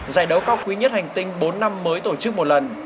giải đấu cao quý nhất hành tinh bốn năm mới tổ chức một lần